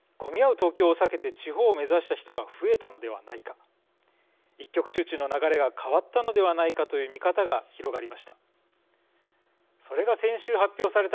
東京を避けて地方を目指した人が増えたのではないか一極集中の流れが変わったのではないかという見方が広がりました。